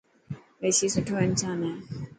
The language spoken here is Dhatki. رشي سٺو انسان هي.